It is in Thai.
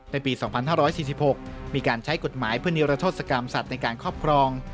ปี๒๕๔๖มีการใช้กฎหมายเพื่อนิรโทษกรรมสัตว์ในการครอบครอง